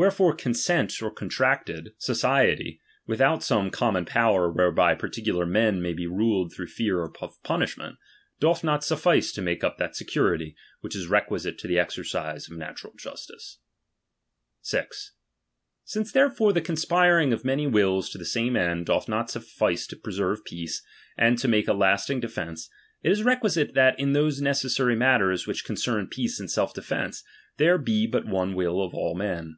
Wherefore consent or contracted so L 68 DOMINION. ciety, without some common power whereby par ticular men may he niled through fear of punish— meut, doth not suffice to make up that security, which is requisite to the exercise of natural jus tice. 6. Since therefore the conspiring of many wills ., to the same end doth not suffice to preserve peace, and to make a lasting defence, it is requisite that, in those necessary matters which concern peace and self defence, there be but one will of all men.